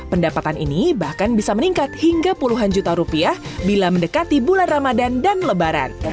pendapatan ini bahkan bisa meningkat hingga puluhan juta rupiah bila mendekati bulan ramadan dan lebaran